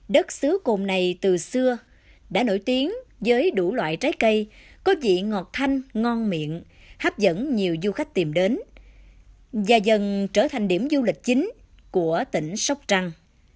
đất xứ cồn này từ xưa đã nổi tiếng với đủ loại trái cây có vị ngọt thanh ngon miệng hấp dẫn nhiều du khách tìm đến và dần trở thành điểm du lịch chính của tỉnh sóc trăng